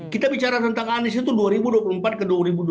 kita bicara tentang anies itu dua ribu dua puluh empat ke dua ribu dua puluh